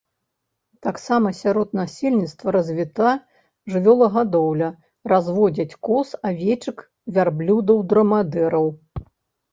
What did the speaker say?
Таксама сярод насельніцтва развіта жывёлагадоўля, разводзяць коз, авечак, вярблюдаў-драмадэраў.